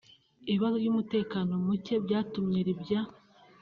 Ibi bibazo by’umutekano muke byatumye Libya